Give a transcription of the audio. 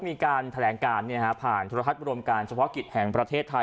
ในการแถลงการเนี่ยฮะผ่านธุรธรรมการเฉพาะกิจแห่งประเทศไทย